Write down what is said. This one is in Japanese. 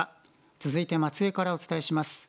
続いて、松江からお伝えします。